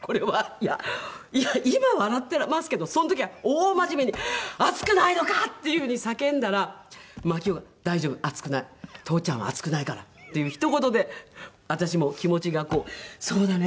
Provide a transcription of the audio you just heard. いや今笑っていますけどその時は大真面目に「熱くないのか！」っていうふうに叫んだら真紀夫が「大丈夫。熱くない」「父ちゃんは熱くないから」っていうひと言で私も気持ちが「そうだね」